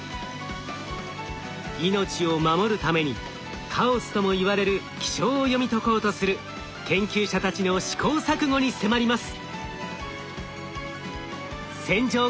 命を守るためにカオスともいわれる気象を読み解こうとする研究者たちの試行錯誤に迫ります！